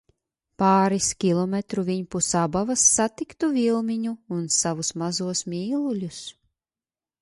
Pāris kilometru viņpus Abavas satiktu Vilmiņu un savus mazos mīluļus.